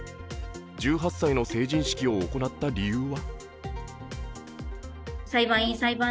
１８歳の成人式を行った理由は？